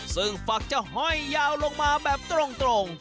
ซึ่งฝักจะห้อยยาวลงมาแบบตรง